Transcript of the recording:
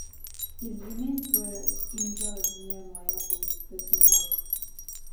His remains were interred near Mayapur, West Bengal.